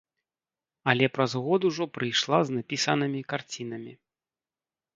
Але праз год ужо прыйшла з напісанымі карцінамі.